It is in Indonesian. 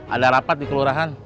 ada rapat dikeluargaan